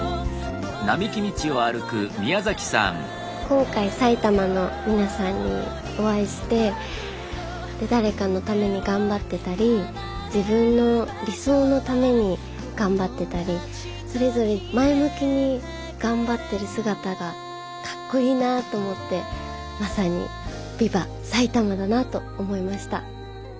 今回埼玉の皆さんにお会いして誰かのために頑張ってたり自分の理想のために頑張ってたりそれぞれ前向きに頑張ってる姿がかっこいいなと思ってまさに「ビバ！埼玉」だなと思いました。